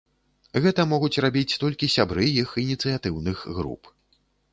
Гэта могуць рабіць толькі сябры іх ініцыятыўных груп.